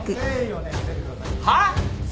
はっ？